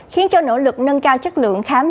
khiến cho nỗ lực nâng cao chất lượng khám